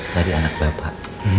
dari anak bapak